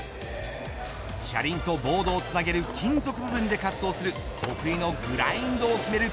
車輪とボードをつなげる金属部分で滑走する得意のグラインドを決める